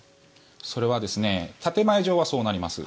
それは建前上はそうなります。